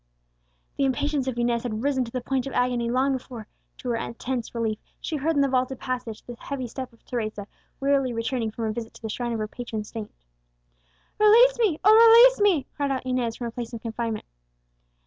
The impatience of Inez had risen to the point of agony long before, to her intense relief, she heard in the vaulted passage the heavy step of Teresa, wearily returning from her visit to the shrine of her patron saint. "Release me oh, release me!" cried out Inez from her place of confinement.